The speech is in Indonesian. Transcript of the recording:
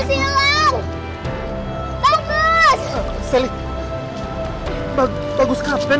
iya om bagus itu kapten